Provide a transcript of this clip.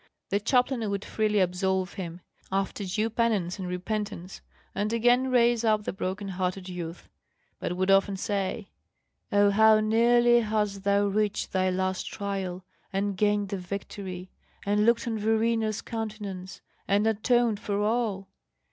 The chaplain would freely absolve him, after due penance and repentance, and again raise up the broken hearted youth; but would often say: "Oh, how nearly hadst thou reached thy last trial, and gained the victory, and looked on Verena's countenance, and atoned for all!